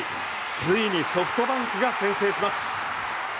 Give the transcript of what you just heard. ついにソフトバンクが先制します。